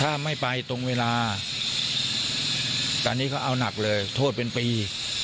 ถ้าไม่ไปตรงเวลาตอนนี้เขาเอาหนักเลยโทษเป็นปี